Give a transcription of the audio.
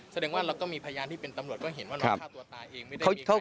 แสดงว่าเราก็มีพยานที่เป็นตำรวจก็เห็นว่าน้องฆ่าตัวตายเองไม่ได้มี